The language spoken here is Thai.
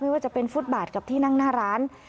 ว่าจะเป็นฟุตบาทกับที่นั่งหน้าร้าน